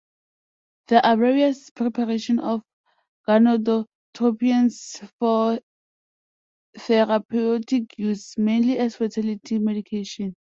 There are various preparations of gonadotropins for therapeutic use, mainly as fertility medication.